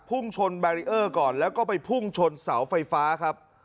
พุ่งชนแบรีเออร์ก่อนแล้วก็ไปพุ่งชนเสาไฟฟ้าครับ